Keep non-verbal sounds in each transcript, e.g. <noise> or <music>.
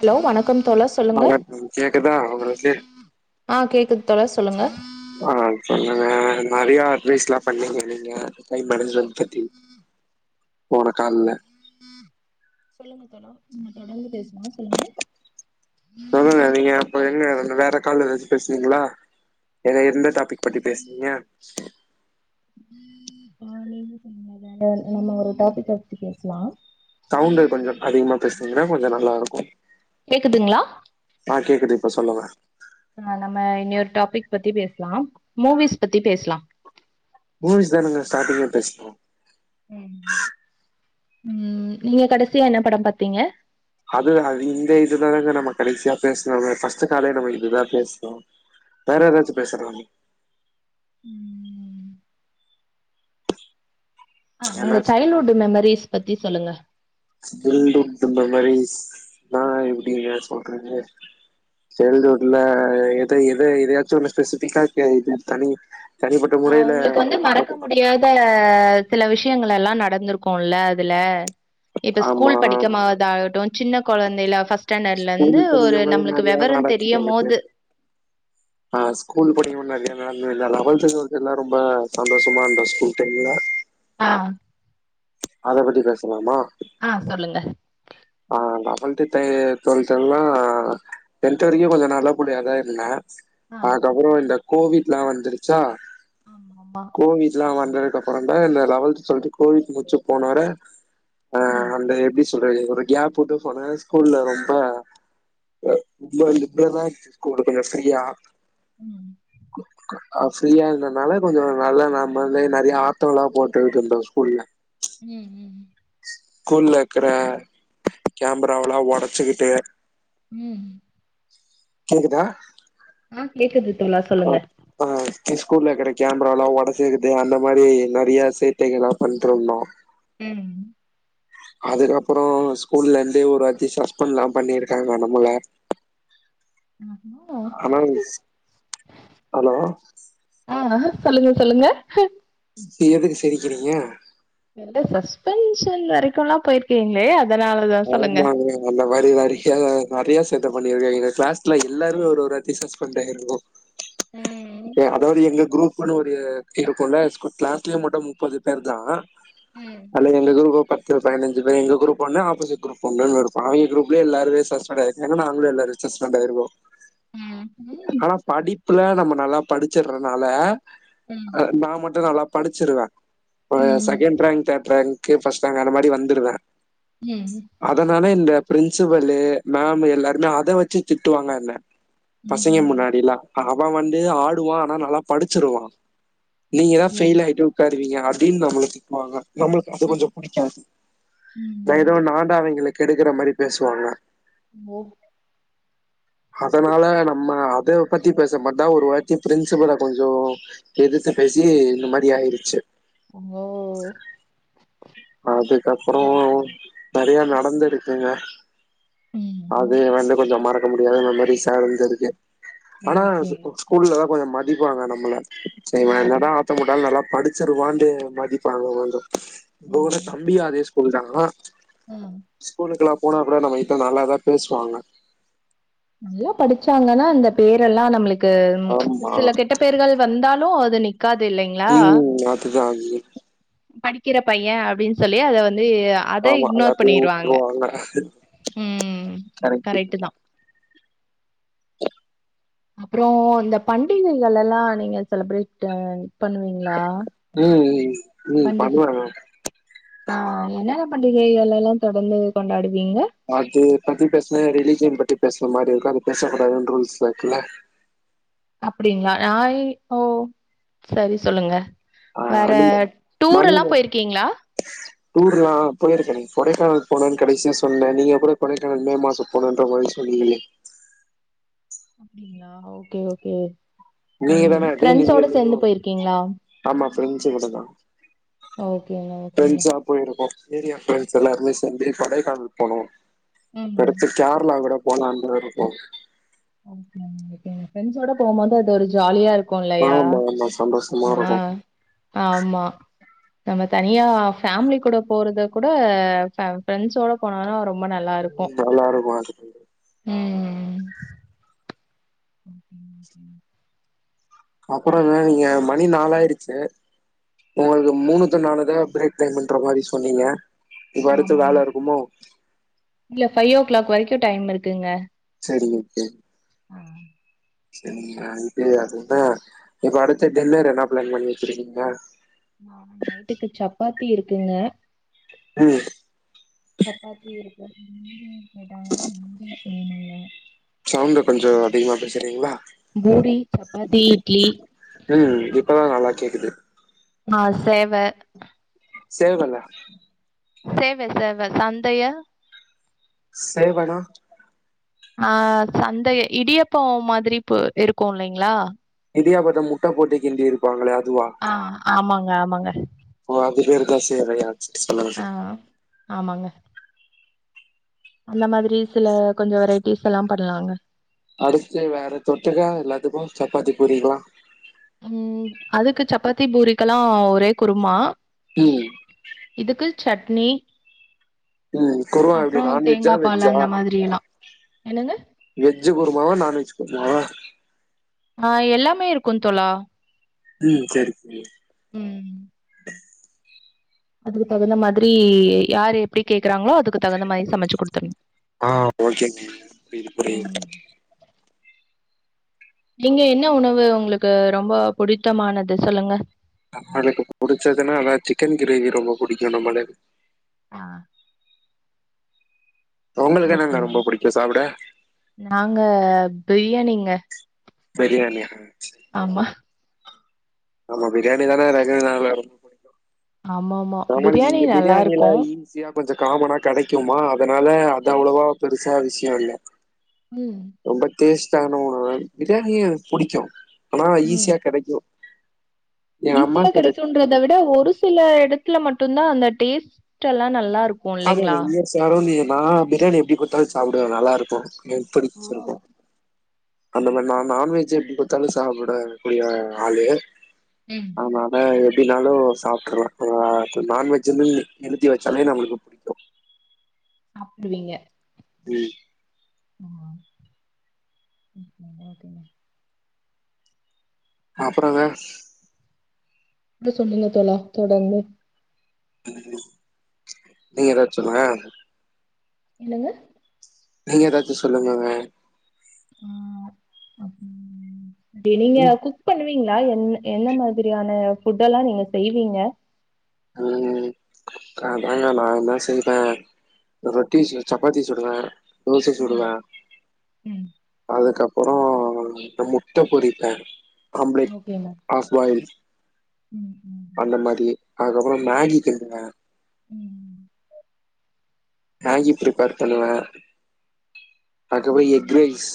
Hello வணக்கம் தோழர்ஸ் alright கேக்குதா உங்களுக்கு ஆ கேக்குது தோழர் சொல்லுங்க ஆஹ் சொல்லுங்க நறைய அட்வைஸ்லாம் பண்ணின்ருந்தீங்க நீங்க டைம் மேனேஜ்மன்ட் பத்தி போன கால்ல சொல்லுங்க தோழா உம் தொடர்ந்து பேஸ்லாம் சொல்லுங்க சொல்லுங்க நீங்க அப்ப எங்க வேற கால் எதாச்சும் பேசுனீங்களா எது எந்த டாப்பிக் பத்தி பேஸ்னீங்க அ நீங்க சொல்லுங்க வேற நம்ம ஒரு டாப்பிக் பத்தி பேஸ்லாம் சவுண்டு கொஞ்சம் அதிகமா பேசுனீங்கன்னா கொஞ்ச நல்லா இருக்கும் கேக்குதுங்களா ஆ கேக்குது இப்ப சொல்லுங்க ஆ நம்ம இன்னியொரு டாப்பிக் பத்தி பேஸ்லாம் மூவிஸ் பத்தி பேஸ்லாம் மூவிஸ் தான் நீங்க ஸ்டார்ட்டிங்கே பேஸ்னீங்க ம் உம் நீங்க கடைசியா என்ன படம் பாத்தீங்க அது அது இந்த இதுல தா நாம கடைசியா பேசுனதே ஃபர்ஸ்ட்டு காலே நாம இதுதா பேசுனோ வேற எதாச்சு பேசலாமே ம்ம் ஆ ஏன்னா உங்க சைல்டு ஹுட்டு மெமரீஸ் பத்தி சொல்லுங்க சைல்டு ஹுட்டு மெமரீஸ்னா எப்டிங்க சொல்றது சைல்டு ஹுட்ல எத எத எதயாச்சு ஒண்ணு ஸ்பெசிஃபிக்கா கேளு இது தனி தனிப்பட்ட முறையில <unintelligible> தே சில விஷயங்களெல்லா நடந்திருக்குல அதுல இப்ப ஸ்கூல் ஆமா படிக்கமா தகாட்டு சின்ன கொழந்தைல ஃபர்ஸ்ட் ஸ்கூல் ஸ்டாண்டர்ட்லருந்து ஒரு படிக்கும்போது நம்முளுக்கு நெறையா விவர நடந்துருக்கு தெரியமோது ஆ ஸ்கூல் படிக்மோது நெறய நடந்தது இல்ல லெவெல்த்து டுவெலத் எல்லா ரொம்ப சந்தோஷமா இருந்த ஸ்கூல் டைம்ல ஆ அத பத்தி பேசலாமா ஆ சொல்லுங்க ஆ லெவெல்த்து டே டுவெலத்தெல்லா டென்த் வரைக்கு கொஞ்சோ நல்ல புள்ளையாதா இருந்தே ஆ அதுக்கப்புறோ இந்த கோவிட்லா வந்துருச்சா ஆமாம்மா கோவித்லா வந்ததுக்கு அப்புறோ தா இந்த லெவல்த் டுவெலத் கோவிட் முடிச்சு போனரே ம் த எப்டி சொல்றது ஒரு கேப் விட்டு போன ஸ்கூல்ல ரொம்ப <unintelligible> லிப்ரல இருந்துச்சு ஸ்கூலு கொஞ்சோ ஃப்ரீயா ம் அ ஃப்ரீயா இருந்தனால கொஞ்சோ நல்லா நம்மளே நெறய ஆட்டோலா போட்டுட்டு இருந்தோ ஸ்கூல்ல ம் ம் ம் ஸ்கூல்ல இருக்கற கேமராவலா ஒடச்சுக்கிட்டு ம் கேக்குதா ஆ கேக்குது தோழா ஆ சொல்லுங்க ஆ ஸ்கூல்ல இருக்கற கேமராலா ஒடச்சுக்கிட்டு அந்த மாரி நெறைய சேட்டைகள்லா பண்ட்ருந்தோ ம் அதுக்கப்புறோ ஸ்கூல்லருந்து ஒரு வாட்டி சஸ்பெண்ட்லா பண்ணிருக்காங்க நம்மள <unintelligible> அலோ ஆ ஆ சொல்லுங்க சொல்லுங்க எதுக்கு சிரிக்கிறீங்க இல்ல சஸ்பென்ஷன் வரைக்குல்லா போயிருக்கீங்களே அத் ஆமாங்க அந்த மாரி நெறய நெறய சேட்ட பண்ணிருக்கே எங்க க்ளாஸ்ல எல்லாருமே ஒரு ஒரு வாட்டி சஸ்பெண்ட் ஆயிருக்கோ ம். அதாவது எங்க குரூப் <unintelligible> ஒரு இருக்குல ஸ்கூ க்ளாஸ்லேயே மொத்த முப்பது பேர் தா ம். அதுல எங்க குரூப் பத்து பதினஞ்சு பேரு எங்க குரூப் ஒன்னு அப் <unintelligible> குரூப் ஒன்னு ஒரு பாதி குரூப்லேயே எல்லாருமே சஸ்பெண்ட் ஆயிருக் எனா நாங்களு எல்லாரு சஸ்பெண்ட் ஆயிருக்கோ ம். ம். ஆனா படிப்புல நம்ம நல்லா படிச்சறதுனால ம். அ நா மட்டு நல்லா படிச்சிருவே ம். செகண்ட் ரேங்க் தேர்ட் ரேங்க் க்கு ஃபர்ஸ்ட் ரேங்க் அந்த மாரி வந்துருவே ம் அதனால இந்த ஃபிரின்சிபல்லு மேம் எல்லாருமே அத வச்சு திட்டுவாங்க என்ன பசங்க ம்ஹ்ம். முன்னாடிலா அவன் வந்து ஆடுவா ஆனா நல்லா படிச்சிருவா நீங்கதா ஓ. ஃபெயில் ஆயிட்டு உக்காருவீங்க அப்டின்னு நம்மள திட்டுவாங்க நம்ளுக்கு அது ம். கொஞ்சோ புடிக்காது ம். ஏதோ நா தா அவங்கள கெடுக்கற மாரி பேசுவாங்க ஓக் அதனால நம்ம அதய பத்தி பேச மாட்டோ ஒரு வாட்டி பிரின்சிபல கொஞ்சோ எதிர்த்து பேசி இந்த மாரி ஆயிருச்சு ஓ அதுக்கப்றோ சரி நெறய நடந்திருக்குங்க அது ம். வந்து கொஞ்சோ மறக்க முடியாதுகற மாரி சேர்ந்து இருக்கு ஆனா ஓகேங்க. ஸ்கூல்லதா கொஞ்ச மதிப்பாங்க நம்மள ஆ. இவன் என்னதா ஆட்டம்போட்டாலு நல்லா படிச்சிருவான்டு மதிப்பாங்க கொஞ்சோ இதோட தம்பியு அதே ஸ்கூல் தாங்ளா ம் ஸ்கூலுக்குலா போன அப்றோ நம்ம கட்ட நல்லாதா பேசுவாங்க நல்லா படிச்சாங்கனா இந்த பேரெல்லா நம்ளுக்கு ஆமா சில கெட்ட பெயர்கள் வந்தாலு அது நிக்காது இல்லைங்களா ம் அதுதா அது படிக்கிற பைய அப்டின்னு சொல்லி அத வந்து அத ஆமா அது இக்னோர் அப்டியே பண்ணிருவாங்க வுட்ருவாங்க ம் கரெக்ட் கரெக்டு தா அப்றோ இந்த பண்டிகைகளெல்லா நீங்க செலிப்ரேட் பண்ணுவீங்களா ம் ம் ம் பண்டிகை பண்வாங்க ஆ என்னென்ன பண்டிகைகள் எல்லா தொடர்ந்து கொண்டாடுவீங்க அது பத்தி பேசுனா ரிலிஜியன் பத்தி பேசற மாரி இருக்கு அது பேசக் கூடாதுன்னு ரூல்ஸ்ல இருக்குல்ல அப்டிங்களா நா ஏ ஓ சரி சொல்லுங்க ஆ வேற டூர் எல்லா போயிருக்கீங்களா <inaudible> டூர் எல்லா போயிருக்கேனே கொடைக்கானல் போனேன்னு கடைசியா சொன்னனே நீங்க கூட கொடைக்கானல் மே மாசோ போனம்ன்ற மாரி சொன்னீங்களே அப்டிங்களா ஓகே ஓகே நீங்க ம் தானே அது ஃபிரெண்ட்ஸ் நீங்க ஓட சேர்ந்து இல்லையோ போயிருக்கீங்களா ஆமா ஃப்ரெண்ட்ஸ் கூட தா ஓகேங்க ஓகேங்க ஃப்ரெண்ட்ஸா போயிருக்கோ ஏரியா ஃப்ரெண்ட்ஸ் எல்லாருமே சேர்ந்து கொடைக்கானல் போனோ ம் அடுத்து கேரளா கூட போலானு இருக்கோ ஓகேங்க ஓகேங்க ப்ரெண்ட்ஸ்ஸோட போம்போது அது ஒரு ஜாலியா இருக் ஆமா ஆமா சந்தோஷமா இருக்கு ஆமா நம்ம தனியா ஃபேமிலி கூட போறத கூட ப்ரெண்ட்ஸோட போனாதா ரொம்ப நல்லா இரு நல்லா <unintelligible> ம் <inaudible> அப்றோ என்ன நீங்க மணி நாலாயிடுச்சு உங்களுக்கு மூணு டு நாலுதா பிரேக் டைம்முன்ற மாரி சொன்னீங்க இப்ப அடுத்து ஆமாங்க வேல இருக்குமோ இல்ல ஃபை ஓ கிளாக் வரைக்கு டைம் இருக்குங்க சேரிங்க ஓகே செரிங்க இது அதுன்னா இப்ப அடுத்த டின்னர் என்ன பிளான் பண்ணி வச்சிருக்கீங்க மாவு நைட்டுக்கு சப்பாத்தி இருக்குங்க ம் சப்பாத்தி இருக்கு பூரி கேட்டாங்கன்னா பூரி செய்யணுங்க சவுண்ட்டு கொஞ்சோ அதிகமா பேசுறீங்களா பூரி சப்பாத்தி இட்லி ம் இப்பதா நல்லா கேக்குது மா சேவ சேவல்ல சேவ சேவ சந்தையா சேவனா ஆ சந்தை இடியப்போ மாதிரி பு இருக்கு இல்லைங்ளா இடியாபத்த முட்ட போட்டு கிண்டி இருப்பாங்களே அதுவா ஆ ஆமாங்க ஆமாங்க ஓ அது பேரு தா சேவையா சரி சொல்லுங்க ஆ சரி ஆமாங்க அந்த மாதிரி சில கொஞ்சோ வெரைட்டிஸ் எல்லா பண்ணலாங்க அடுத்து வேற தொட்டுக்க எல்லாத்துக்கு சப்பாத்தி பூரிலா ம் அதுக்கு சப்பாத்தி பூரிக்கெல்லா ஒரே குருமா ம் இதுக்கு சட்னி ம் குருமா எப்டி அப்புறோ நான்வெஜ்ஜா தேங்காப்பால் வெஜ்ஜா அந்த மாதிரியெல்லா என்னங்க வெஜ்ஜு குருமாவா நான் வெஜ் குருமாவா ஆ எல்லாமே இருக்கு தோழா ம் சேரி <inaudible> ம் அதுக்கு தகுந்த மாதிரி யாரு எப்டி கேக்குறாங்களோ அதுக்குத் தகுந்த மாரி சமைச்சு குடுத்தடணு ஆ ஓகேங்க புரியுது புரியுது ம் நீங்க என்ன உணவு உங்ளுக்கு ரொம்ப புடித்தமானது சொல்லுங்க நம்மளுக்கு புடிச்சதுன்னா அதா சிக்கன் கிரேவி ரொம்ப பிடிக்கு நம்மளுக்கு ஆ உங்களுக்கு என்னங்க ஓகேங்க. ரொம்ப புடிக்கு சாப்ட நாங்க பிரியாணிங்க பிரியாணியா ச் ஆமா ஆமா பிரியாணி தான <unintelligible> இருக்கு ஆமா ஆமா பிரியாணி நல்லாருக்கு சியா கொஞ்சோ காமனா கடைக்குமா அதனால அது அவ்ளோவா பெருசா விஷியோ இல்ல ம் ரொம்ப டேஸ்ட் ஆன உணவு பிரியாணி எனக்கு புடிக்கு ஆனா ம். ஈஸியா கெடைக்கு ஈஸியா கெடைக்கும்ன்றத விட ஒரு சில எடத்துல மட்டுந்தா அந்த டேஸ்ட்ல்லா நல்லாருக் அது <unintelligible> நா பிரியாணி எப்டி குத்தாலு சாப்பிடுவ நல்லாருக்கு எனக் ஓ! புடிச்சிருக்கு அந்த மாரி நா நா வெஜ்ஜி எப்டி குடுத்தாலு சாப்ட கூடிய ஆளு ம். ஆமா நா எப்டினாலு சாப்டுருவ ஆ நான்வெஜின்னு எழுதி வச்சாலே நம்முளுக்கு சாப்டுவீங்க ம் ஆமா இன்னிகு ரெண்டா டைம் அப்றோங்க நீங்க சொல்லுங்க தோழா தொடர்ந்து <inaudible> நீங்க ஏதாச்சு சொல்லுக எனங்க நீங்க ஏதாச்சு சொல்லுங்கங்க அ அப்றோ பேரிங்கா உங்க குக் குக் பண்ணுவீங்களா என் என்ன மாதிரியான ஃபுட்டெல்லா நீங்க செய்வீங்க ம் ஆ அதாங்க நான்தா செய்வ ரொட்டி செய் சப்பாத்தி சுடுவ ம் ம் அதுக்கப்போறோ நா முட்ட பொரிப்பே ஆம்லெட் ஓகேங்க. ஆஃப் பாயில் ம் ம் அந்த மாரி அதுக்கப்றோ மேகி கிண்டுவ ம் மேகி ப்ரிப்பேர் பண்ணுவ அதுகப்றோ எஃக் ஓகேங்க. ரைஸ்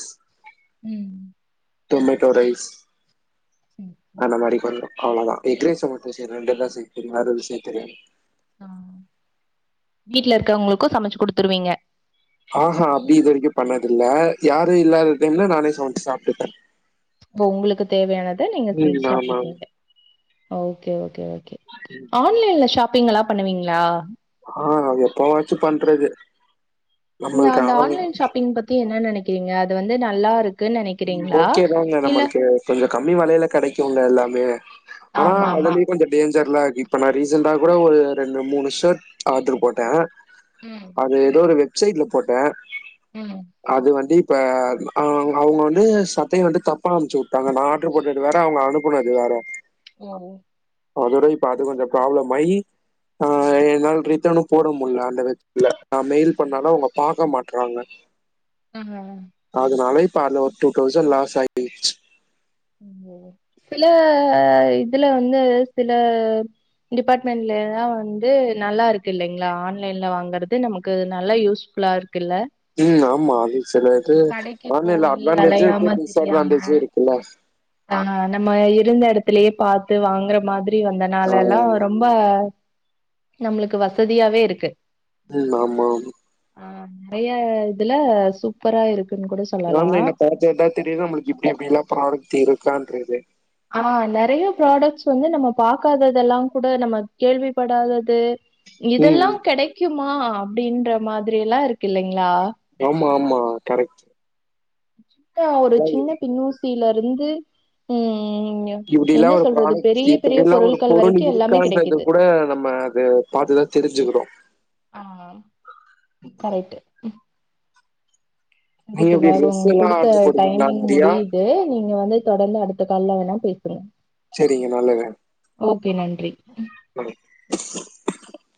ம். டொமேட்டோ ரைஸ் சரி, சரி. அந்த மாரி பண்ணு அவ்ளோதா எஃக் ரைஸ் டொமட்டோ ரைஸ் ரெண்டு தா செய் தெரியு வேற எது செய தெரியாது ஆ வீட்ல இருக்கவங்களுக்கு சமைச்சு குடுத்துருவீங்க ஆஹா அப்டி இது வரைக்கு பண்ணதில்ல யாரு இல்லாத டைம்ல நானே சமைச்சு சாப்டுப்பே உங்களுக்கு தேவையானத நீங்க செஞ்சு ம் ஆமா சாப்டுக்குவிங்க ஒகே ஒகே ஒகே ஆன்லைன்ல ஷாப்பிங் எல்லா பண்ணுவீங்களா ஆ அது எப்பவாச்சு பண்றது நீங்க நம்மளுக்கு அந்த ஆள் ஆன்லைன் ஷாப்பிங் பத்தி என்ன நெனைக்கிறீங்க அது வந்து நல்லாருக் ம் ஓகே தாங்க நம்மளுக்கு கொஞ்சோ கம்மி வெலைல கெடைக்கும்ல எல்லாமே ஆனா ஆமாமா. அதுலே கொஞ்சோ டேஞ்சர்லா இருக்கு இப்ப நா ரீசெண்டா கூட ஒரு ரெண்டு மூணு ஷேர்ட் ஆர்டர் போட்டே ம், அது எதோ ஒரு வெப்சைட்ல போட்டே ம். அது வந்து இப்ப ஆ அவுங்க வந்து சட்டைய வந்து தப்பா அமுச்சு விட்டாங்க நா ஆர்டர் போட்டது வேற அவுங்க அனுப்புனது வேற ஓ அதோடய இப்ப அது கொஞ்சோ ப்ராப்ளம் ஆயி ஆ என்னால ரிட்டனு போட முடியல அந்த வெப் சைட்ல நா மெயில் பண்ணாலு அவுங்க பாக்க மாட்றாங்க ம் ஆ அதுனால இப்ப அதுல ஒரு டூ தௌசண்ட் லாஸ் ஆயி பேய்டுசு ம் ஓ சில இதுல வந்து சில டிபார்ட்மெண்ட்ல தா வந்து நல்லா இருக்கு இல்லைங்களா ஆன்லைன்ல வாங்கறது நமக்கு நல்லா யூஸ்ஃபுல்லா இருக் குல்ல ம் ஆமா அது செல இது ஆன்லைன்ல போயி அட்வான்டேஜு இருக்கு அலையாம திரியாம டிஸ்அட்வான்டேஜு இருக்குல்ல ஆ நம்ம இருந்த எடத்துலயே பாத்து வாங்குற மாதி ரி ஆ வந்தனாலலா ரொம்ப நம்மளுக்கு வசதியாவே இருக்கு ம் ஆமா ஆஹ நெறைய இதுல சூப்பரா இருக்குன்னு கூட சொல்லலா ஆன்லைன்ல பாரத்தது தா திடீர்னு நம்மளுக்கு இப்டி இப்டிலா ப்ராடெக்ட் இருக்கான்ட்ருக்குது ஆஹ் நெறைய ப்ராடெக்ட்ஸ் வந்து நம்ம பாக்காததெல்லா கூட நம்ம கேள்விப்படாதது ம் இதெல்லா கெடைக்குமா அப்டின்ற மாதிரியெல்லா இருக்கு இல்லைங்களா ஆமா ஆமா கரெக்ட் சிக்கா ஒரு சின்ன பின்னூசில இருந்து ம் இப்புடிலா என்ன ஒரு சொல்றது ப்ராடெக்ட் பெரிய பெரிய இப்படில்லா ஒரு பொருட்கள் பொருள் வரைக்கு எல்லாமே இருக்கான்றது கெடைக்குது கூட நம்ம அது பாத்துதா தெரிஞ்சுக்கிறோ ஆமா கரெக்ட்டு சேரித் நீங்க எப்டி தோழா ட்ரெஸ் அவுங்க எல்லா கொடுத்த ஆர்டர் போடுவீங்களா டைமிங் நெறையா முடிது யுது நீங்க வந்து தொடர்ந்து அடுத்த கால்ல வேணா பேசுங்க சேரிங்க நல்லது ஓகே நன்றி ஒகே